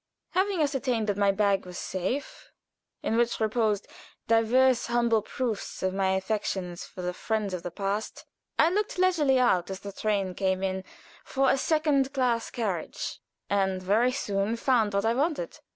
Having ascertained that my bag was safe, in which reposed divers humble proofs of my affection for the friends of the past, I looked leisurely out as the train came in for a second class carriage, and very soon found what I wanted.